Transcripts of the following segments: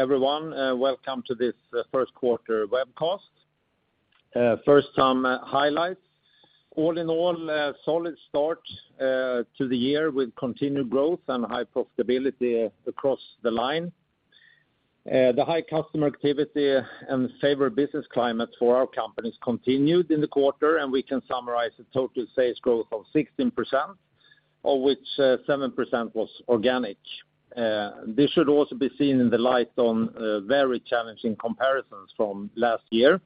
Everyone, welcome to this First Quarter Webcast. First some highlights. All in all, a solid start to the year with continued growth and high profitability across the line. The high customer activity and favor business climate for our companies continued in the quarter, and we can summarize the total sales growth of 16%, of which 7% was organic. This should also be seen in the light on very challenging comparisons from last year.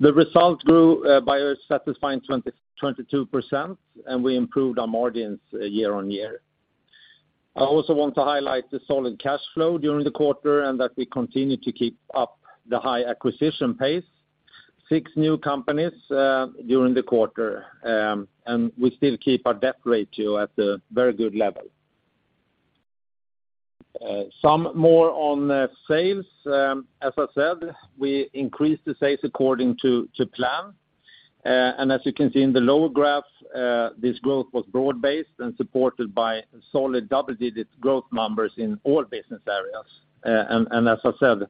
The results grew by a satisfying 22%, and we improved our margins year-on-year. I also want to highlight the solid cash flow during the quarter, and that we continue to keep up the high acquisition pace. Six new companies during the quarter, and we still keep our debt ratio at a very good level. Some more on sales. As I said, we increased the sales according to plan. As you can see in the lower graph, this growth was broad-based and supported by solid double-digit growth numbers in all business areas. As I said,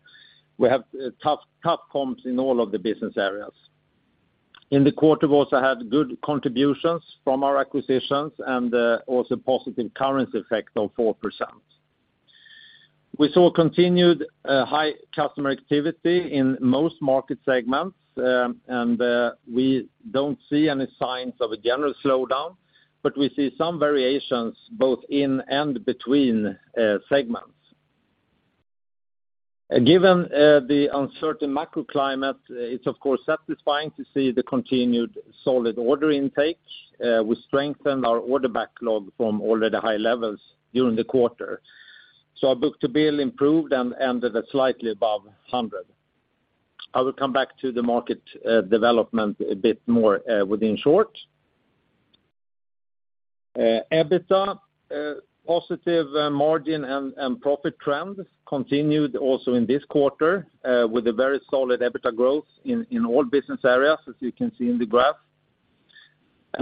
we have tough comps in all of the business areas. In the quarter, we also had good contributions from our acquisitions and also positive currency effect of 4%. We saw continued high customer activity in most market segments, and we don't see any signs of a general slowdown, but we see some variations both in and between segments. Given the uncertain macroclimate, it's of course satisfying to see the continued solid order intake. We strengthened our order backlog from already high levels during the quarter. Our book-to-bill improved and ended at slightly above 100. I will come back to the market development a bit more within short. EBITDA positive margin and profit trend continued also in this quarter with a very solid EBITDA growth in all business areas, as you can see in the graph.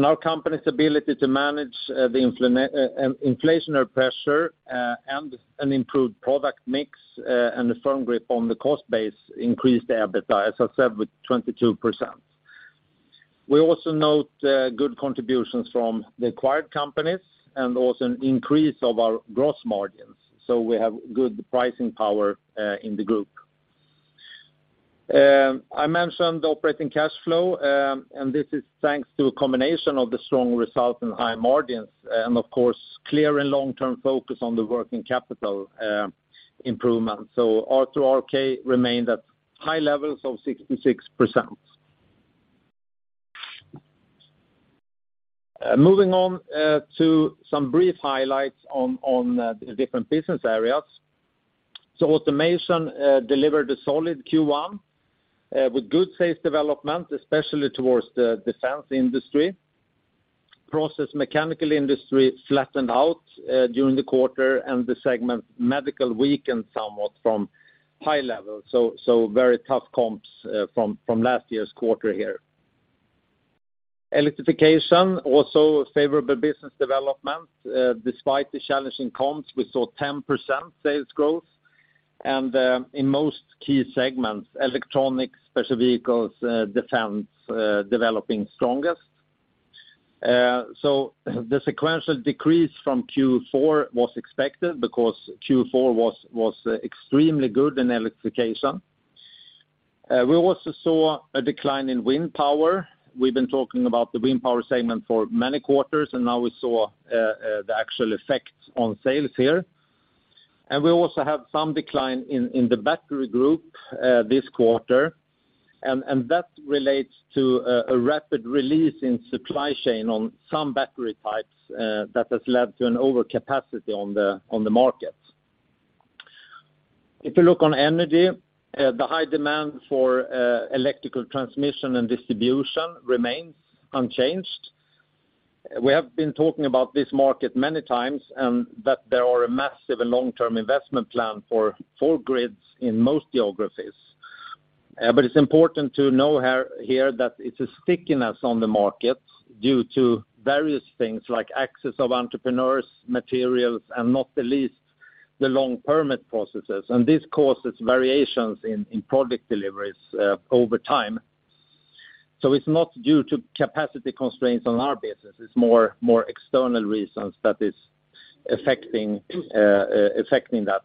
Our company's ability to manage the inflationary pressure and improved product mix and a firm grip on the cost base increased the EBITDA, as I said, with 22%. We also note good contributions from the acquired companies and also an increase of our gross margins, so we have good pricing power in the group. I mentioned operating cash flow, and this is thanks to a combination of the strong results and high margins, and of course, clear and long-term focus on the working capital improvement. R2RK remained at high levels of 66%. Moving on to some brief highlights on the different business areas. Automation delivered a solid Q1 with good sales development, especially towards the defense industry. Process Mechanical industry flattened out during the quarter, and the segment Medical weakened somewhat from high levels, very tough comps from last year's quarter here. Electrification, also a favorable business development. Despite the challenging comps, we saw 10% sales growth, and in most key segments, electronics, special vehicles, defense, developing strongest. The sequential decrease from Q4 was expected because Q4 was extremely good in Electrification. We also saw a decline in wind power. We've been talking about the wind power segment for many quarters, and now we saw the actual effects on sales here. We also have some decline in the battery group this quarter, and that relates to a rapid release in supply chain on some battery types that has led to an overcapacity on the market. If you look on Energy, the high demand for electrical transmission and distribution remains unchanged. We have been talking about this market many times, and that there are a massive and long-term investment plan for four grids in most geographies. But it's important to know here that it's a stickiness on the market due to various things like access of entrepreneurs, materials, and not the least, the long permit processes. This causes variations in product deliveries over time. It's not due to capacity constraints on our business, it's more external reasons that is affecting that.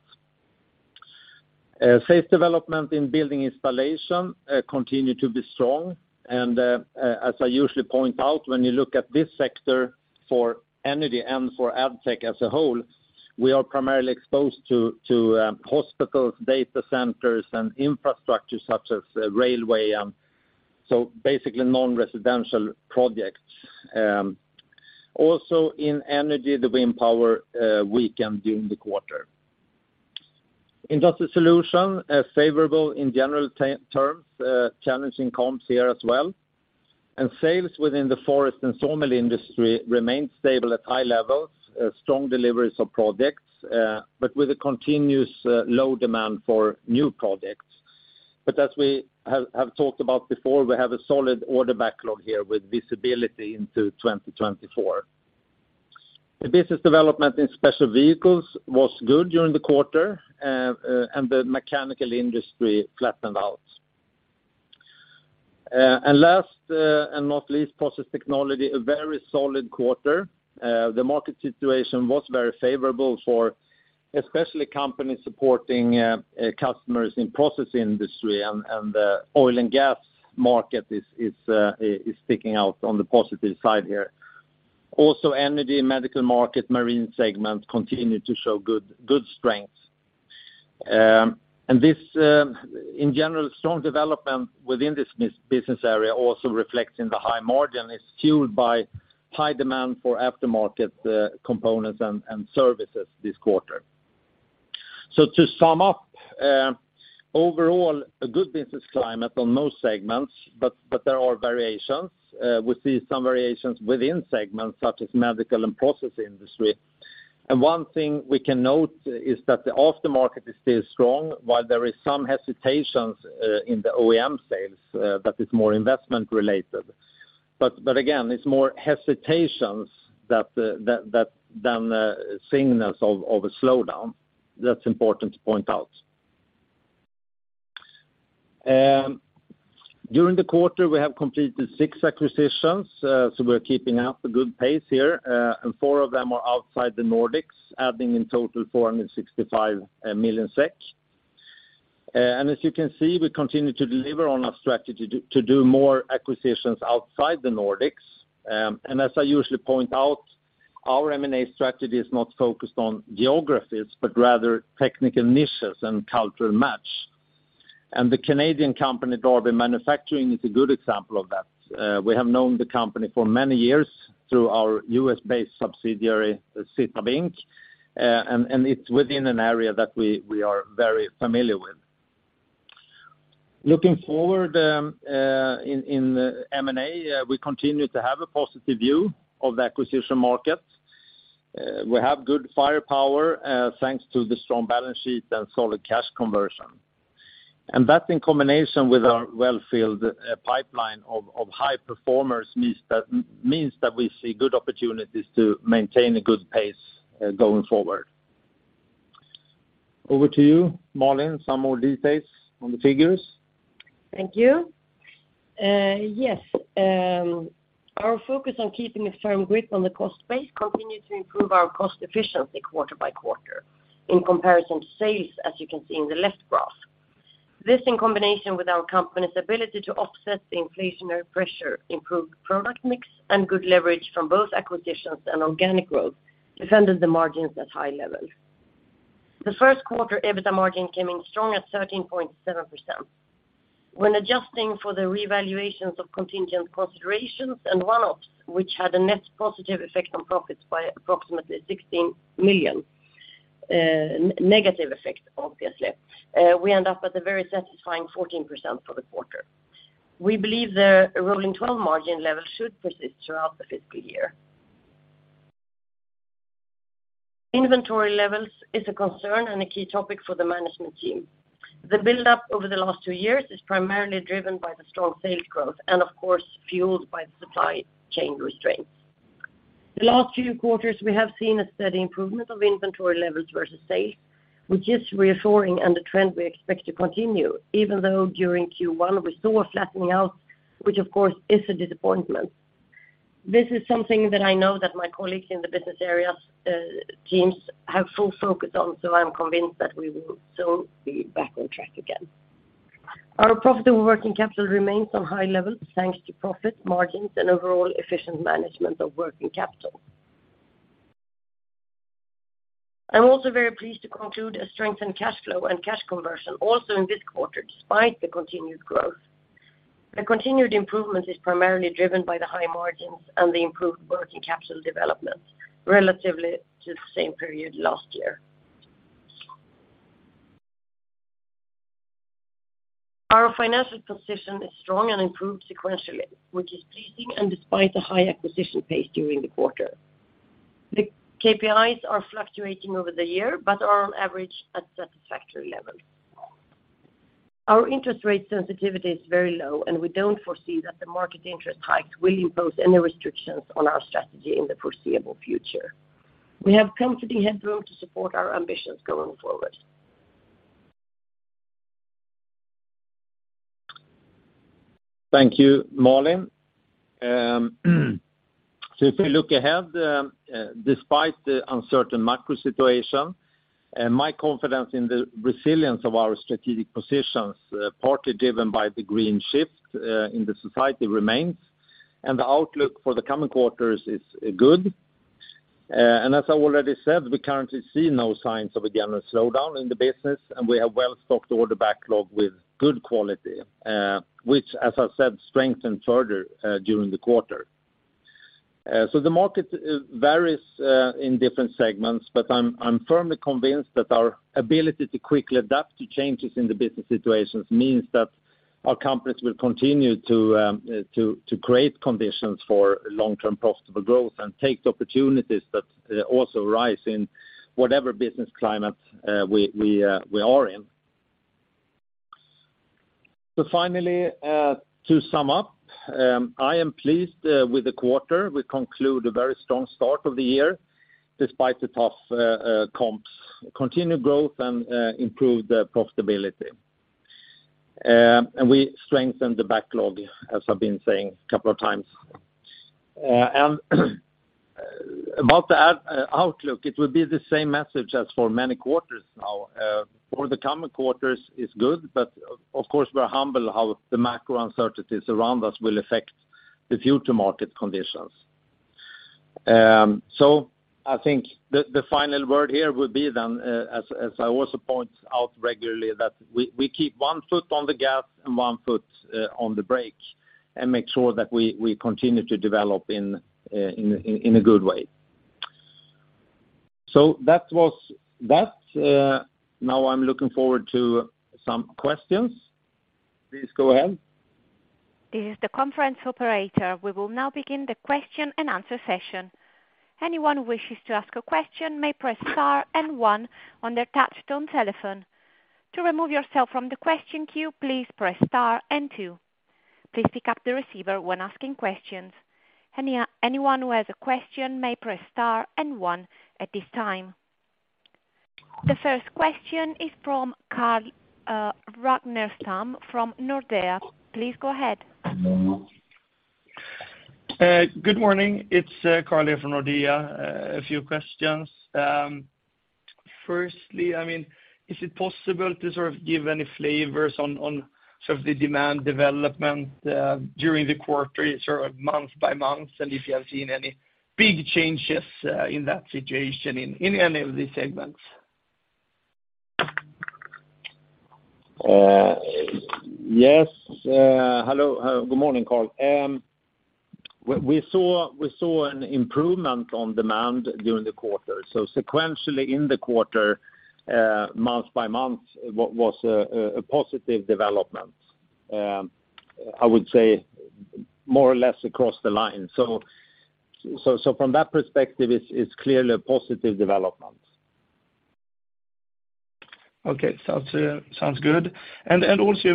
Sales development in building installation continue to be strong, and as I usually point out, when you look at this sector for Energy and for Addtech as a whole, we are primarily exposed to hospitals, data centers, and infrastructure such as railway, so basically non-residential projects. Also in Energy, the wind power weakened during the quarter. Industrial Solutions favorable in general terms, challenging comps here as well. Sales within the forest and sawmill industry remained stable at high levels, strong deliveries of projects, but with a continuous low demand for new projects. As we have talked about before, we have a solid order backlog here with visibility into 2024. The business development in special vehicles was good during the quarter, and the mechanical industry flattened out. Last, and not least, Process Technology, a very solid quarter. The market situation was very favorable for especially companies supporting customers in process industry, and the oil and gas market is sticking out on the positive side here. Also, Energy and medical market, marine segment continue to show good strengths. This, in general, strong development within this business area also reflects in the high margin, is fueled by high demand for aftermarket components and services this quarter. To sum up, overall, a good business climate on most segments, but there are variations. We see some variations within segments such as medical and process industry. One thing we can note is that the aftermarket is still strong, while there is some hesitations in the OEM sales, but it's more investment related. Again, it's more hesitations that than signals of a slowdown. That's important to point out. During the quarter, we have completed six acquisitions. We're keeping up a good pace here. Four of them are outside the Nordics, adding in total 465 million SEK. As you can see, we continue to deliver on our strategy to do more acquisitions outside the Nordics. As I usually point out, our M&A strategy is not focused on geographies, but rather technical niches and cultural match. The Canadian company, Darby Manufacturing, is a good example of that. We have known the company for many years through our U.S.-based subsidiary, Sitab Inc., and it's within an area that we are very familiar with. Looking forward, in M&A, we continue to have a positive view of the acquisition market. We have good firepower, thanks to the strong balance sheet and solid cash conversion. That, in combination with our well-filled pipeline of high performers, means that we see good opportunities to maintain a good pace going forward. Over to you, Malin, some more details on the figures. Thank you. Our focus on keeping a firm grip on the cost base continued to improve our cost efficiency quarter by quarter in comparison to sales, as you can see in the left graph. This, in combination with our company's ability to offset the inflationary pressure, improved product mix, and good leverage from both acquisitions and organic growth, defended the margins at high levels. The first quarter EBITDA margin came in strong at 13.7%. When adjusting for the revaluations of contingent considerations and one-offs, which had a net positive effect on profits by approximately 16 million, negative effect, obviously, we end up at a very satisfying 14% for the quarter. We believe the rolling twelve-month margin level should persist throughout the fiscal year. Inventory levels is a concern and a key topic for the management team. The buildup over the last two years is primarily driven by the strong sales growth, of course, fueled by the supply chain restraints. The last few quarters, we have seen a steady improvement of inventory levels versus sales, which is reassuring, the trend we expect to continue, even though during Q1, we saw a flattening out, which of course, is a disappointment. This is something that I know that my colleagues in the business areas, teams have full focus on, I'm convinced that we will soon be back on track again. Our profit over working capital remains on high levels, thanks to profit margins and overall efficient management of working capital. I'm also very pleased to conclude a strengthened cash flow and cash conversion, also in this quarter, despite the continued growth. The continued improvement is primarily driven by the high margins and the improved working capital development relatively to the same period last year. Our financial position is strong and improved sequentially, which is pleasing, and despite the high acquisition pace during the quarter. The KPIs are fluctuating over the year, but are on average at satisfactory level. We don't foresee that the market interest hikes will impose any restrictions on our strategy in the foreseeable future. We have comforting headroom to support our ambitions going forward. Thank you, Malin. If we look ahead, despite the uncertain macro situation, my confidence in the resilience of our strategic positions, partly driven by the green shift in the society, remains, and the outlook for the coming quarters is good. As I already said, we currently see no signs of a general slowdown in the business, and we have well-stocked order backlog with good quality, which, as I said, strengthened further during the quarter. The market varies in different segments, but I'm firmly convinced that our ability to quickly adapt to changes in the business situations means that our companies will continue to create conditions for long-term profitable growth and take the opportunities that also rise in whatever business climate we are in. Finally, to sum up, I am pleased with the quarter. We conclude a very strong start of the year, despite the tough comps, continued growth, and improved profitability. We strengthened the backlog, as I've been saying a couple of times. About the outlook, it will be the same message as for many quarters now. For the coming quarters is good, but of course, we're humble how the macro uncertainties around us will affect the future market conditions. I think the final word here would be, as I also point out regularly, that we keep one foot on the gas and one foot on the brake, and make sure that we continue to develop in a good way. That was that. Now I'm looking forward to some questions. Please go ahead. This is the conference operator. We will now begin the question-and-answer session. Anyone who wishes to ask a question may press star and one on their touchtone telephone. To remove yourself from the question queue, please press star and two. Please pick up the receiver when asking questions. Anyone who has a question may press star and one at this time. The first question is from Carl Ragnerstam from Nordea. Please go ahead. Good morning. It's Carl here from Nordea. A few questions. Firstly, I mean, is it possible to sort of give any flavors on sort of the demand development during the quarter, sort of month by month, and if you have seen any big changes in that situation in any of the segments? Yes. Hello, good morning, Carl. We saw an improvement on demand during the quarter. Sequentially, in the quarter, month-by-month, what was a positive development? I would say more or less across the line. From that perspective, it's clearly a positive development. Okay. Sounds good. Also,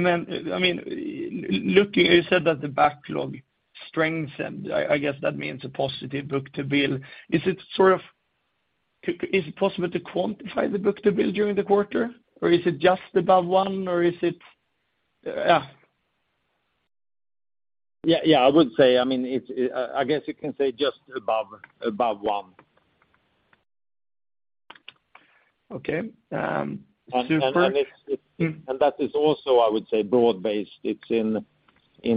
I mean, you said that the backlog strengthened. I guess that means a positive book-to-bill. Is it possible to quantify the book-to-bill during the quarter? Or is it just above one, or is it? Yeah, yeah, I would say, I mean, it's, I guess you can say just above one. Okay, first. That is also, I would say, broad-based. It's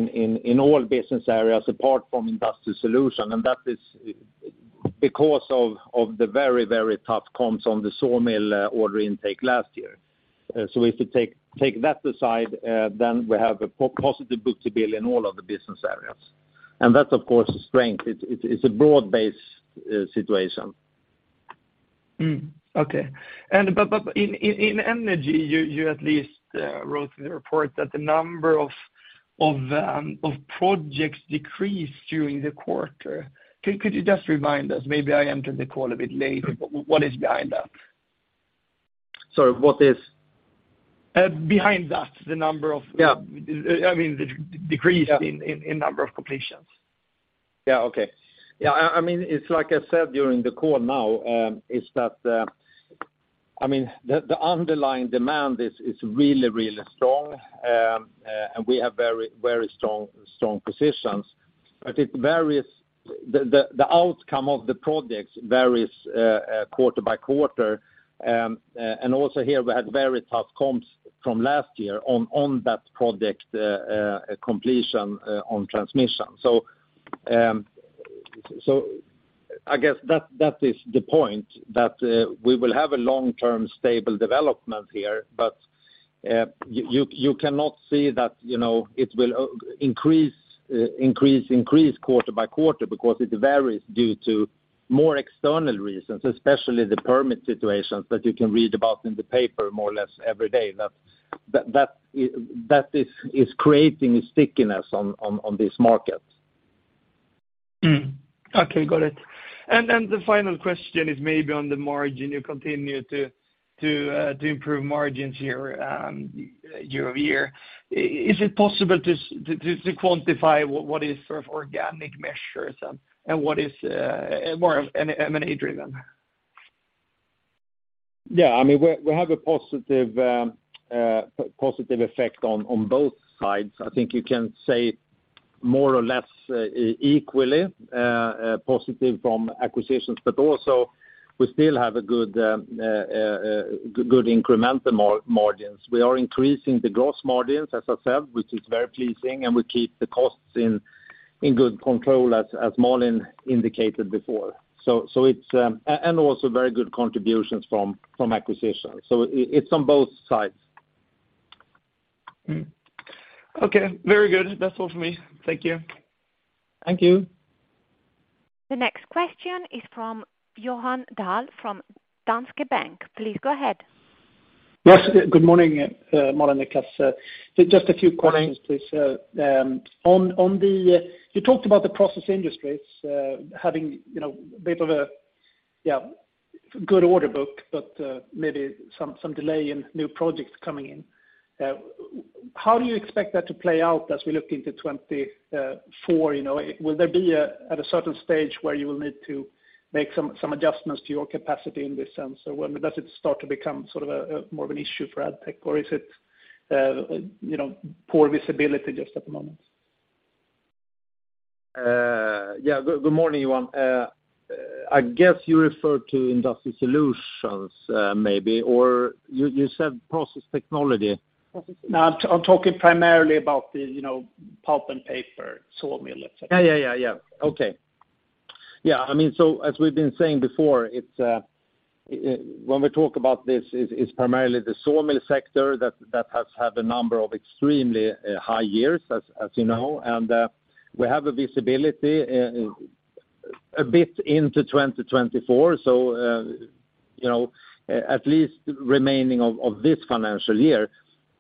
in all business areas apart from Industrial solution, and that is because of the very, very tough comps on the sawmill order intake last year. If you take that aside, then we have a positive book-to-bill in all of the business areas. That's, of course, a strength. It's a broad-based situation. Okay. In Energy, you at least wrote in the report that the number of projects decreased during the quarter. Could you just remind us, maybe I entered the call a bit late, but what is behind that? Sorry, what is? Behind that. Yeah. I mean, the decrease- Yeah... in number of completions. Yeah, okay. Yeah, I mean, it's like I said during the call now, is that, I mean, the underlying demand is really, really strong. We have very, very strong positions. It varies, the outcome of the projects varies quarter by quarter. Also here, we had very tough comps from last year on that project completion on Transmission. I guess that is the point, that we will have a long-term stable development here, but you cannot see that, you know, it will increase quarter by quarter, because it varies due to more external reasons, especially the permit situations that you can read about in the paper more or less every day. That is creating a stickiness on this market. Okay, got it. The final question is maybe on the margin. You continue to improve margins year-over-year. Is it possible to quantify what is sort of organic measures and what is more M&A-driven? Yeah, I mean, we're, we have a positive effect on both sides. I think you can say more or less, equally positive from acquisitions, but also we still have a good incremental margins. We are increasing the gross margins, as I said, which is very pleasing, and we keep the costs in good control, as Malin indicated before. It's also very good contributions from acquisitions. It's on both sides. Okay, very good. That's all for me. Thank you. Thank you. The next question is from Johan Dahl, from Danske Bank. Please go ahead. Yes, good morning, Malin and Niklas. Just a few questions, please. Morning. On the, you talked about the process industries, having, you know, a bit of a... Yeah, good order book, but maybe some delay in new projects coming in. How do you expect that to play out as we look into 2024, you know? Will there be at a certain stage where you will need to make some adjustments to your capacity in this sense? Or when does it start to become sort of a more of an issue for Addtech, or is it, you know, poor visibility just at the moment? Good morning, Johan. I guess you refer to Industrial Solutions, maybe, or you said Process Technology? No, I'm talking primarily about the, you know, pulp and paper, sawmill, et cetera. Yeah, yeah, yeah. Okay. Yeah, I mean, as we've been saying before, it's, when we talk about this, it's primarily the sawmill sector that has had a number of extremely high years, as you know. We have a visibility a bit into 2024, so, you know, at least remaining of this financial year.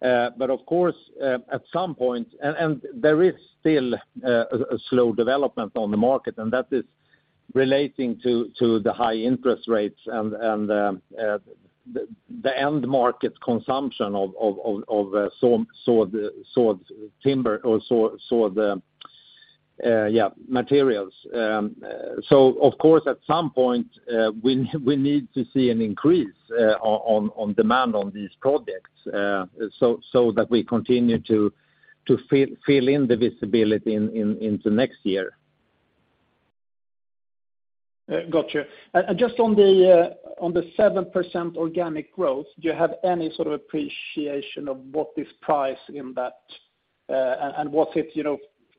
Of course, at some point, and there is still a slow development on the market, and that is relating to the high interest rates and the end market consumption of saw timber or saw the materials. Of course, at some point, we need to see an increase, on demand on these projects, so that we continue to fill in the visibility into next year. Gotcha. Just on the 7% organic growth, do you have any sort of appreciation of what is price in that? Was it, you know,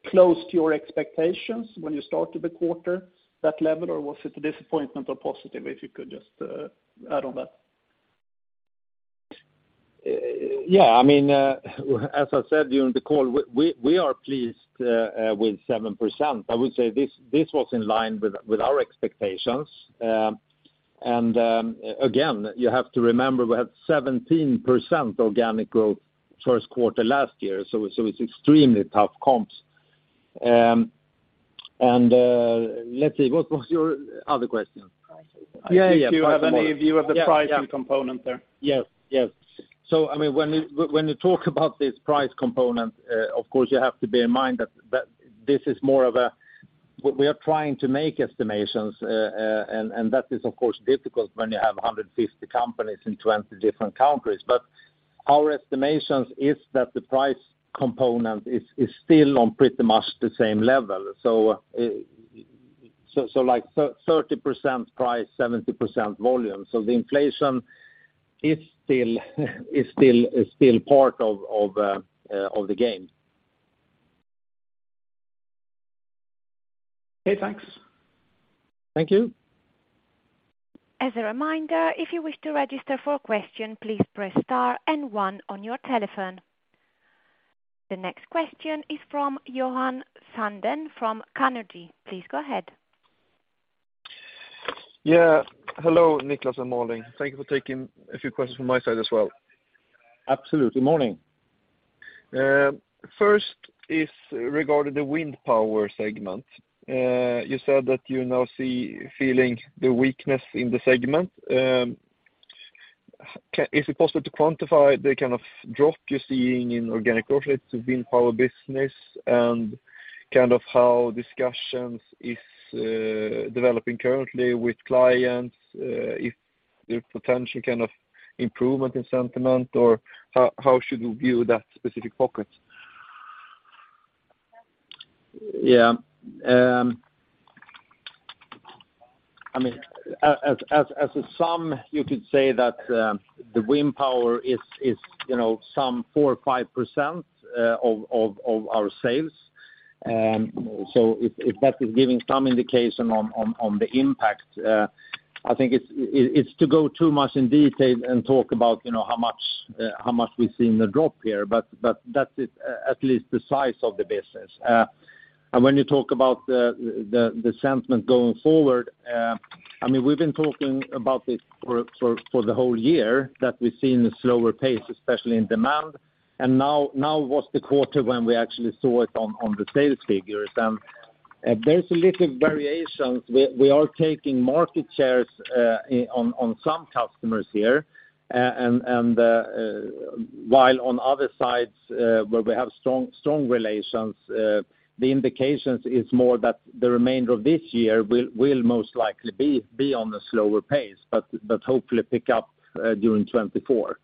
close to your expectations when you started the quarter, that level, or was it a disappointment or positive? If you could just add on that. Yeah, I mean, as I said during the call, we are pleased with 7%. I would say this was in line with our expectations. Again, you have to remember, we had 17% organic growth first quarter last year, so it's extremely tough comps. Let's see, what was your other question? Yeah, if you have any view of the pricing component there. Yes. Yes. I mean, when we, when you talk about this price component, of course, you have to bear in mind that this is more of a. We are trying to make estimations, and that is, of course, difficult when you have 150 companies in 20 different countries. Our estimations is that the price component is still on pretty much the same level. Like 30% price, 70% volume. The inflation is still part of the game. Okay, thanks. Thank you. As a reminder, if you wish to register for a question, please press star and one on your telephone. The next question is from Johan Sundén, from Carnegie. Please go ahead. Yeah. Hello, Niklas, and morning. Thank you for taking a few questions from my side as well. Absolutely. Morning. First is regarding the wind power segment. You said that you now see feeling the weakness in the segment. Is it possible to quantify the kind of drop you're seeing in organic growth rates to wind power business, and kind of how discussions is developing currently with clients, if there's potential kind of improvement in sentiment, or how should we view that specific pocket? I mean, as a sum, you could say that the wind power is, you know, some 4%, 5% of our sales. If that is giving some indication on the impact, I think it's to go too much in detail and talk about, you know, how much we've seen the drop here, but that's at least the size of the business. When you talk about the sentiment going forward, I mean, we've been talking about this for the whole year, that we've seen a slower pace, especially in demand, and now was the quarter when we actually saw it on the sales figures. There's a little variations. We are taking market shares on some customers here, and while on other sides, where we have strong relations, the indications is more that the remainder of this year will most likely be on a slower pace, but hopefully pick up during 2024.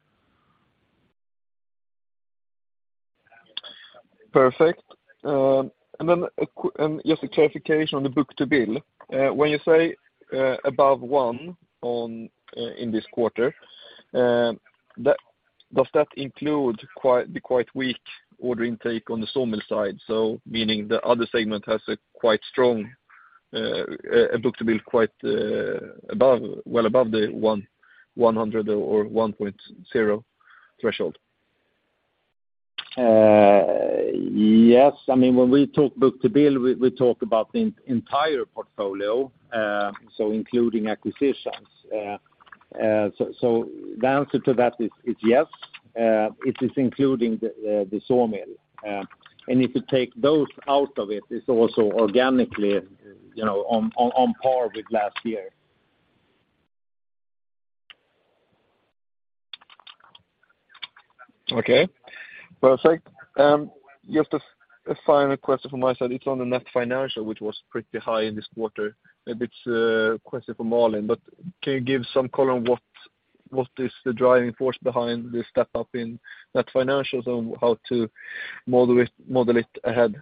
Perfect. Just a clarification on the book-to-bill. When you say above one in this quarter, does that include the quite weak order intake on the sawmill side? Meaning the other segment has a quite strong a book-to-bill, above, well above the one, 100 or 1.0 threshold. Yes. I mean, when we talk book to bill, we talk about the entire portfolio, so including acquisitions. So the answer to that is yes. It is including the sawmill. If you take those out of it's also organically, you know, on par with last year. Okay, perfect. Just a final question from my side. It's on the net financial, which was pretty high in this quarter. Maybe it's a question for Malin, can you give some color on what is the driving force behind this step up in net financials on how to model it ahead?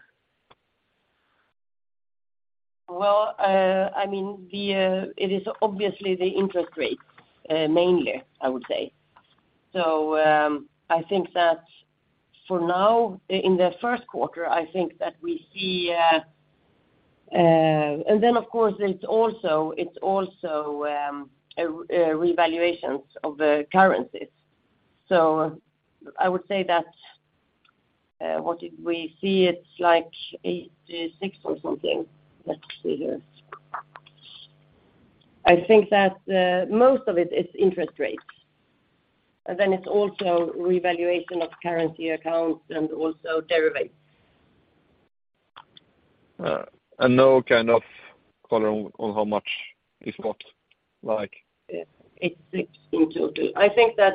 Well, I mean, the it is obviously the interest rates, mainly, I would say. I think that for now, in the first quarter, I think that we see... Then, of course, it's also a revaluations of the currencies. I would say that, what did we see? It's like 86 or something. Let's see here. I think that most of it is interest rates, and then it's also revaluation of currency accounts and also derivatives. No kind of color on how much is what, like? Yeah, it's 60 in total. I think that,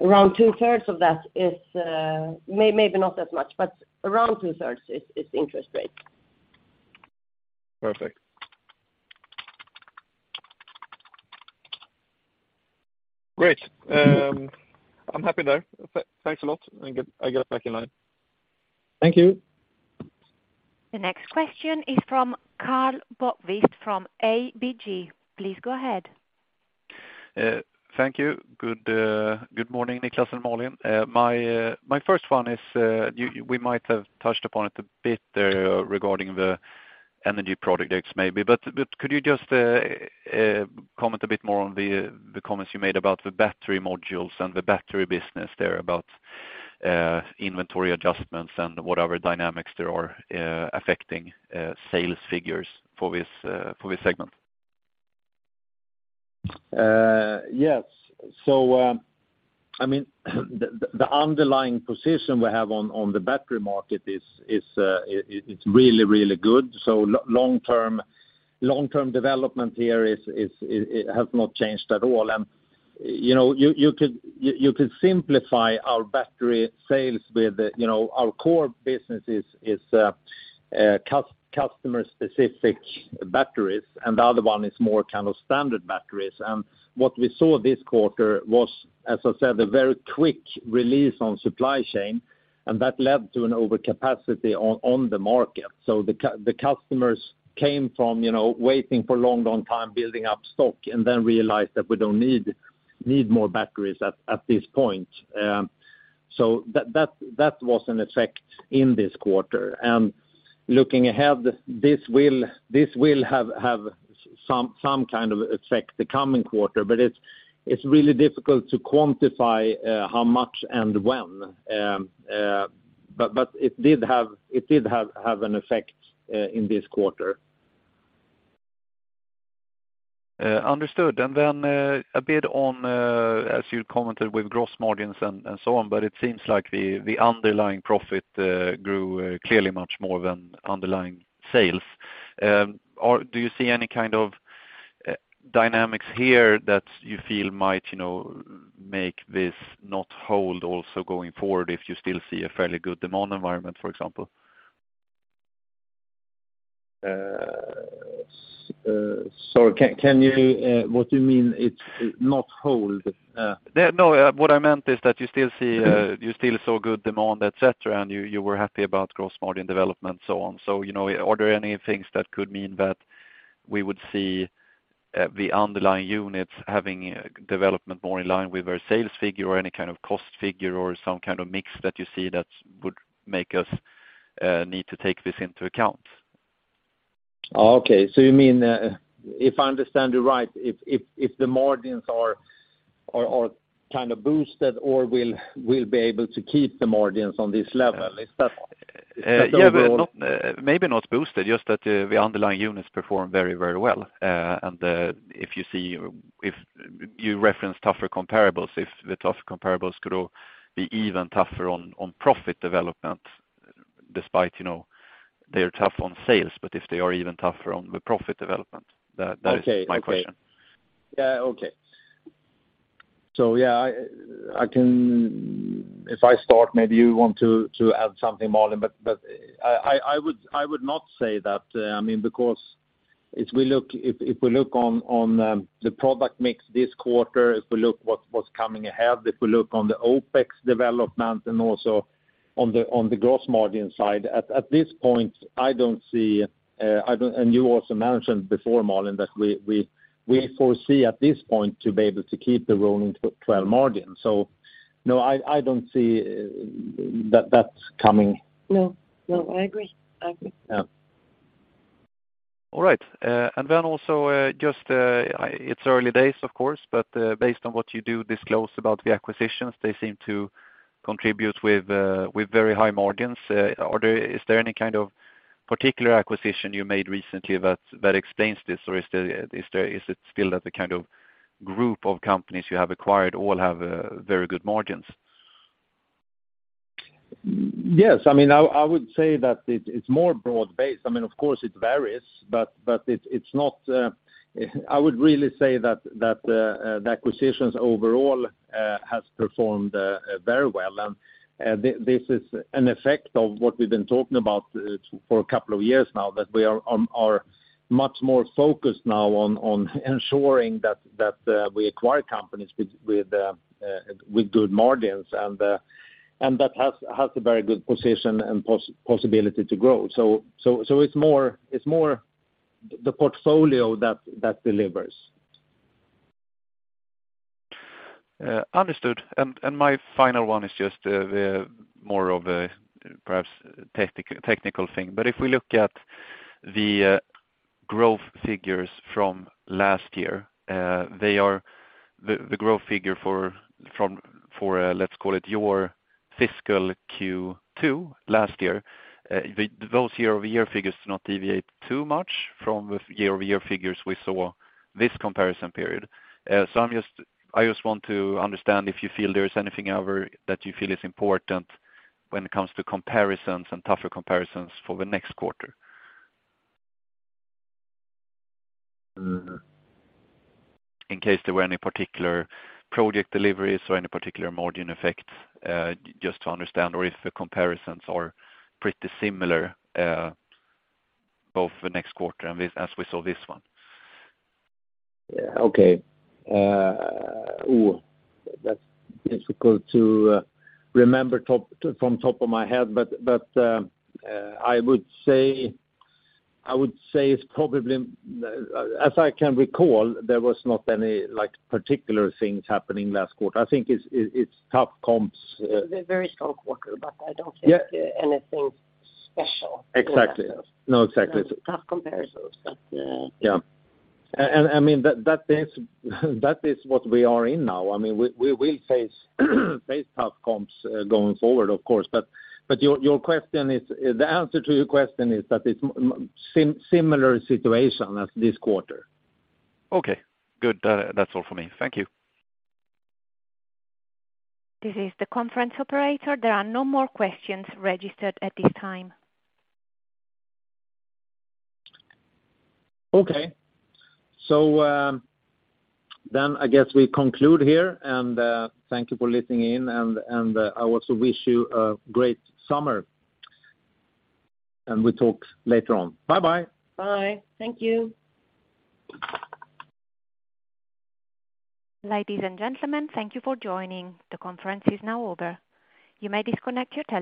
around two-thirds of that is, not that much, but around two-thirds is interest rates. Perfect. Great. I'm happy there. Thanks a lot, and I get back in line. Thank you. The next question is from Karl Bokvist from ABG. Please go ahead. Thank you. Good morning, Niklas and Malin. My first one is, we might have touched upon it a bit there regarding the energy product X, maybe. Could you just comment a bit more on the comments you made about the battery modules and the battery business there, about inventory adjustments and whatever dynamics there are, affecting sales figures for this, for this segment? Yes. I mean, the underlying position we have on the battery market is, it's really, really good. Long term, long-term development here is, it has not changed at all. You know, you could simplify our battery sales with, you know, our core business is, customer-specific batteries, and the other one is more kind of standard batteries. What we saw this quarter was, as I said, a very quick release on supply chain, and that led to an overcapacity on the market. The customers came from, you know, waiting for a long, long time, building up stock, and then realized that we don't need more batteries at this point. That was an effect in this quarter. Looking ahead, this will have some kind of effect the coming quarter, but it's really difficult to quantify how much and when. It did have an effect in this quarter. Understood. A bit on, as you commented with gross margins and so on, but it seems like the underlying profit grew clearly much more than underlying sales. Do you see any kind of dynamics here that you feel might, you know, make this not hold also going forward, if you still see a fairly good demand environment, for example? Can you, what do you mean it not hold? Yeah, no, what I meant is that you still see. Mm-hmm. You still saw good demand, et cetera, and you were happy about gross margin development, so on. You know, are there any things that could mean that we would see the underlying units having development more in line with our sales figure or any kind of cost figure or some kind of mix that you see that would make us need to take this into account? Okay. You mean, if I understand you right, if the margins are kind of boosted or we'll be able to keep the margins on this level, is that, yeah, or? Yeah, but not, maybe not boosted, just that the underlying units perform very, very well. If you see, if you reference tougher comparables, if the tough comparables could all be even tougher on profit development, despite, you know, they're tough on sales, but if they are even tougher on the profit development, that is my question? Okay. Okay. Yeah, okay. Yeah, I can. If I start, maybe you want to add something, Malin, but I would not say that, I mean, because if we look, if we look on the product mix this quarter, if we look what's coming ahead, if we look on the OPEX development and also on the gross margin side, at this point, I don't see. You also mentioned before, Malin, that we foresee at this point, to be able to keep the rolling twelve margin. No, I don't see that coming. No, no, I agree. I agree. Yeah. All right. Then also, just, it's early days, of course, but, based on what you do disclose about the acquisitions, they seem to contributes with very high margins. Is there any kind of particular acquisition you made recently that explains this? Is there, it's still that the kind of group of companies you have acquired all have very good margins? Yes. I mean, I would say that it's more broad-based. I mean, of course, it varies, but it's not, I would really say that, the acquisitions overall, has performed very well. This is an effect of what we've been talking about, for a couple of years now, that we are much more focused now on ensuring that, we acquire companies with, with good margins. That has a very good position and possibility to grow. It's more the portfolio that delivers. Understood. My final one is just more of a perhaps technical thing. If we look at the growth figures from last year, The growth figure for, from, for, let's call it your fiscal Q2 last year, those year-over-year figures do not deviate too much from the year-over-year figures we saw this comparison period. I just want to understand if you feel there is anything ever that you feel is important when it comes to comparisons and tougher comparisons for the next quarter? Mm. In case there were any particular project deliveries or any particular margin effects, just to understand, or if the comparisons are pretty similar, both the next quarter and this, as we saw this one? Yeah, okay. That's difficult to remember from top of my head, but I would say it's probably. As I can recall, there was not any, like, particular things happening last quarter. I think it's tough comps. Very strong quarter. Yeah. Anything special. Exactly. No, exactly. Tough comparisons, but. Yeah. I mean, that is what we are in now. I mean, we will face tough comps going forward, of course. Your question is... The answer to your question is that it's similar situation as this quarter. Okay, good. That's all for me. Thank you. This is the conference operator. There are no more questions registered at this time. Okay. Then I guess we conclude here, and, thank you for listening in, I also wish you a great summer. We talk later on. Bye bye. Bye. Thank you. Ladies and gentlemen, thank you for joining. The conference is now over. You may disconnect your telephones.